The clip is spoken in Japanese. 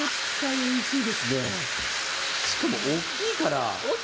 しかも、大きいから。